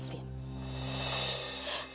dan erik adalah kamu vin